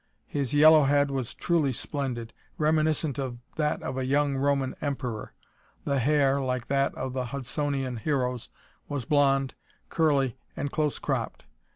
His yellow head was truly splendid, reminiscent of that of a young Roman Emperor. The hair, like that of the Hudsonian Heroes, was blond, curly and close cropped.